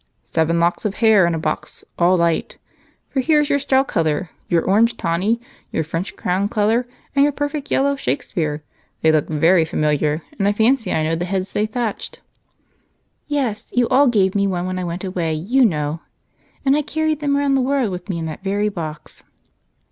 "Seven locks of hair in a box, all light, for 'here's your straw color, your orange tawny, your French crown color, and your perfect yellow' Shakespeare. They look very familiar, and I fancy I know the heads they thatched." "Yes, you all gave me one when I went away, you know, and I carried them round the world with me in that very box."